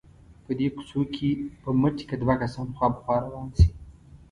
په دې کوڅو کې په مټې که دوه کسان خوا په خوا روان شي.